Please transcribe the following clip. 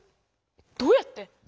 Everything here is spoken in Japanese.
どうやって？